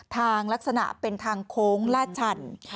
ทางลักษณะเป็นทางโค้งลาดชัน